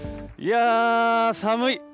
いやー、寒い。